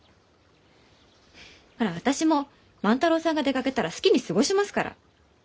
ほら私も万太郎さんが出かけたら好きに過ごしますから。